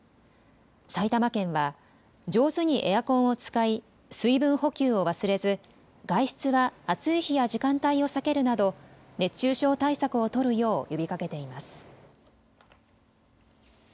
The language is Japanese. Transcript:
埼玉県は上手にエアコンを使い水分補給を忘れず外出は暑い日や時間帯を避けるなど熱中症対策を取るよう呼びかけています。